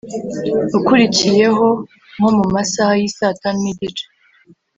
ukurikiyeho nkomumasaha yisatanu nigice